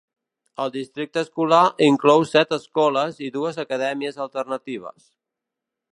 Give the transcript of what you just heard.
El districte escolar inclou set escoles i dues acadèmies alternatives.